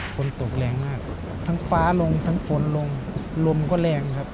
ฝนตกแรงมากทั้งฟ้าลงทั้งฝนลงลมก็แรงครับ